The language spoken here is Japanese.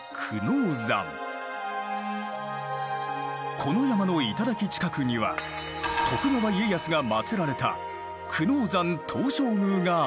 この山の頂近くには徳川家康が祀られた久能山東照宮がある。